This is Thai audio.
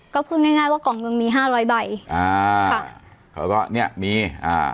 ก็พูดง่ายง่ายว่ากล่องหนึ่งมีห้าร้อยใบอ่าค่ะเขาก็เนี้ยมีอ่า